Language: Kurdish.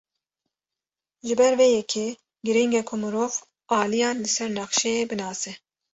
Ji ber vê yekê, girîng e ku mirov aliyan li ser nexşeyê binase.